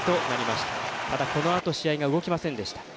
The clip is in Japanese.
また、このあと試合が動きませんでした。